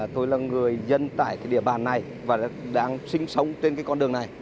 tôi là người dân tại cái địa bàn này và đang sinh sống trên cái con đường này